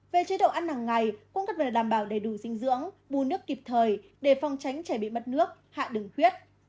về chế độ ăn hàng ngày cũng cần đảm bảo đầy đủ sinh dưỡng bù nước kịp thời để phòng tránh trẻ bị mất nước hạ đường khuyết